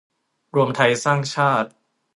รวมไทยสร้างชาติ